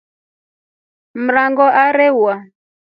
Mrango arewa.